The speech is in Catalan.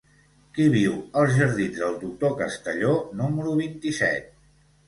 Qui viu als jardins del Doctor Castelló número vint-i-set?